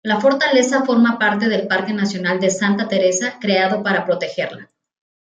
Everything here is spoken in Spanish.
La fortaleza forma parte del Parque nacional de Santa Teresa, creado para protegerla.